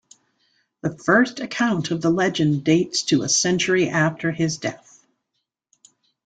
The first account of the legend dates to a century after his death.